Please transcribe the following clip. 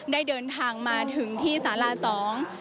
ได้เดินทางมาถึงที่สาราสอง